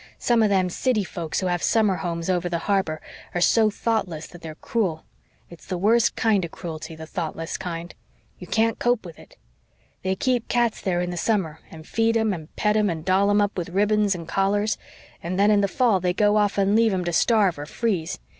Some of them city folks who have summer homes over the harbor are so thoughtless that they're cruel. It's the worst kind of cruelty the thoughtless kind. You can't cope with it. They keep cats there in the summer, and feed and pet 'em, and doll 'em up with ribbons and collars. And then in the fall they go off and leave 'em to starve or freeze.